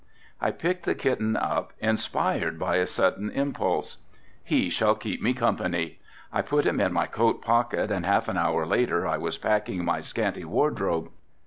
I picked the kitten up, inspired by a sudden impulse. "He shall keep me company." I put him in my coat pocket and half an hour later I was packing my scanty wardrobe.